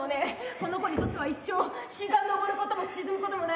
この子にとっては一生日が昇ることも沈むこともない。